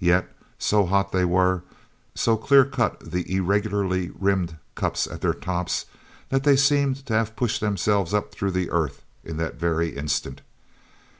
Yet, so hot they were, so clear cut the irregularly rimmed cups at their tops, that they seemed to have pushed themselves up through the earth in that very instant.